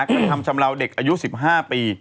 กระทำชำราวเด็กอายุ๑๕ปี